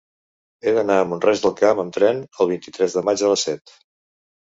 He d'anar a Mont-roig del Camp amb tren el vint-i-tres de maig a les set.